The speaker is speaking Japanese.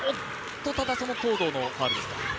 ただ、その藤堂のファウルですか。